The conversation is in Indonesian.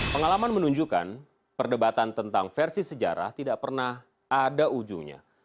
pengalaman menunjukkan perdebatan tentang versi sejarah tidak pernah ada ujungnya